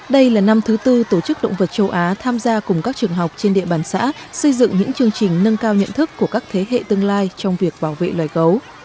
đây là năm thứ tư tổ chức động vật châu á tham gia cùng các trường học trên địa bàn xã xây dựng những chương trình nâng cao nhận thức của các thế hệ tương lai trong việc bảo vệ loài gấu